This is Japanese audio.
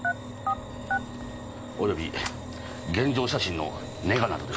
えっ！？及び現場写真のネガなどです。